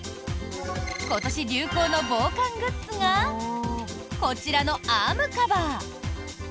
今年流行の防寒グッズがこちらのアームカバー。